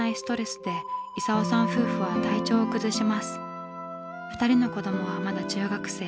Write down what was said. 更に２人の子どもはまだ中学生。